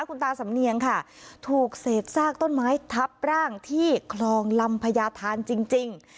คุณตาสำเนียงค่ะถูกเศษซากต้นไม้ทับร่างที่คลองลำพญาธานจริง